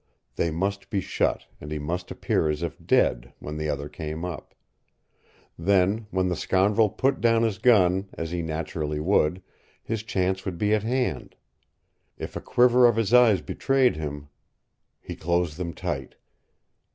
They must be shut, and he must appear as if dead, when the other came up. Then, when the scoundrel put down his gun, as he naturally would his chance would be at hand. If a quiver of his eyes betrayed him He closed them tight.